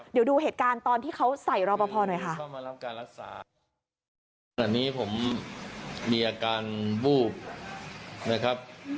เดี๋ยวดูเหตุการณ์ตอนที่เขาใส่รอปภหน่อยค่ะ